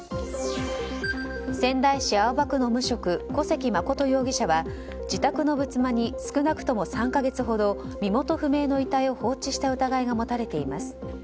仙台市青葉区の無職小関誠容疑者は自宅の仏間に少なくとも３か月ほど身元不明の遺体を放置した疑いが持たれています。